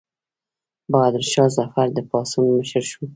بهادر شاه ظفر د پاڅون مشر شو.